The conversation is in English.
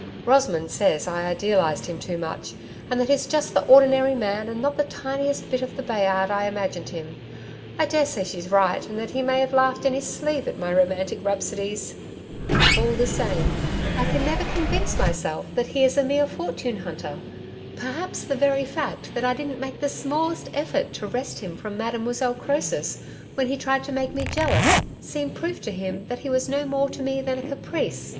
Rosamond says I idealised him too much, and that he's just the ordinary man and not the tiniest bit of the Bayard I imagined him. I daresay she's right, and that he may have laughed in his sleeve at my romantic rhapsodies. All the same, I never can convince myself that he is a mere fortune hunter. Perhaps the very fact that I didn't make the smallest effort to wrest him from Mademoiselle Croesus when he tried to make me jealous seemed proof to him that he was no more to me than a caprice.